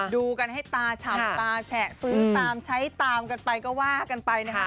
ดูกันให้ตาฉ่ำตาแฉะซื้อตามใช้ตามกันไปก็ว่ากันไปนะคะ